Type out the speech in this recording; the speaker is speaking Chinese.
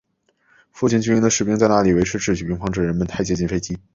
附近军营的士兵在那里维持秩序并防止人们太接近飞机。